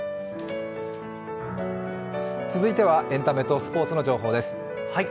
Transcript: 続いては、エンタメとスポーツの情報です。